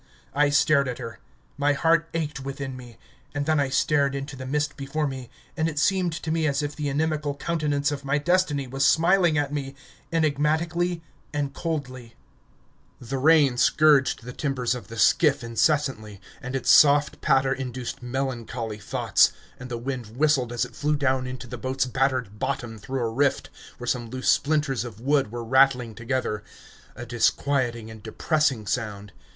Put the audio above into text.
I stared at her. My heart ached within me; and then I stared into the mist before me, and it seemed to me as if the inimical countenance of my Destiny was smiling at me enigmatically and coldly. The rain scourged the timbers of the skiff incessantly, and its soft patter induced melancholy thoughts, and the wind whistled as it flew down into the boat's battered bottom through a rift, where some loose splinters of wood were rattling together a disquieting and depressing sound.